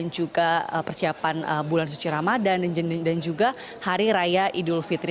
juga persiapan bulan suci ramadan dan juga hari raya idul fitri